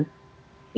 itu lalu juga ya